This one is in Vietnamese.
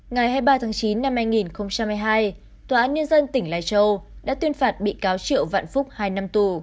ngày hai mươi ba tháng chín năm hai nghìn hai mươi hai tòa án nhân dân tỉnh lai châu đã tuyên phạt bị cáo triệu vạn phúc hai năm tù